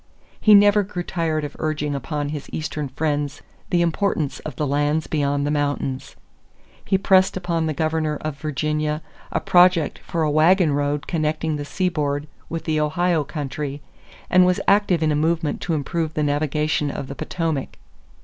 He never grew tired of urging upon his Eastern friends the importance of the lands beyond the mountains. He pressed upon the governor of Virginia a project for a wagon road connecting the seaboard with the Ohio country and was active in a movement to improve the navigation of the Potomac.